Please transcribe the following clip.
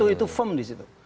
itu firm di situ